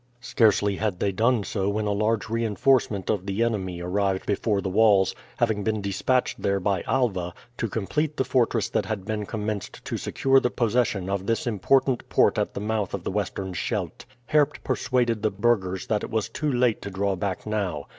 Scarcely had they done so when a large reinforcement of the enemy arrived before the walls, having been despatched there by Alva, to complete the fortress that had been commenced to secure the possession of this important port at the mouth of the Western Scheldt. Herpt persuaded the burghers that it was too late to draw back now.